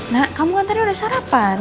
nah kamu kan tadi udah sarapan